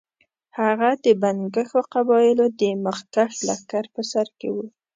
هغه د بنګښو قبایلو د مخکښ لښکر په سر کې وو.